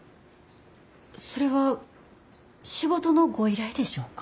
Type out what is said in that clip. それは仕事のご依頼でしょうか？